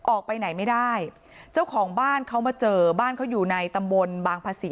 ออกไปไหนไม่ได้เจ้าของบ้านเขามาเจอบ้านเขาอยู่ในตำบลบางภาษี